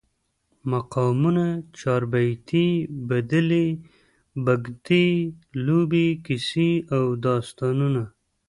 مقامونه، چاربیتې، بدلې، بګتی، لوبې، کیسې او داستانونه